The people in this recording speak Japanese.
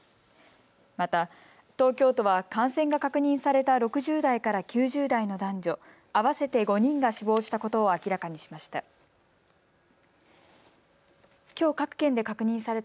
また東京都は感染が確認された６０代から９０代の男女、合わせて５人が死亡したことを明らかにしました。